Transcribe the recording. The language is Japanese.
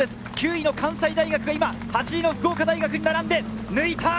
９位の関西大学が今８位の福岡大学に並んで抜いた！